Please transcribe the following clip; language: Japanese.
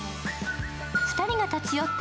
２人が立ち寄った